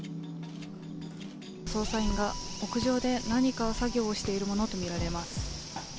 捜査員が屋上で何か作業しているものとみられます。